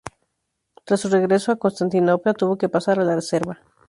Tras su regreso a Constantinopla, tuvo que pasar a la reserva.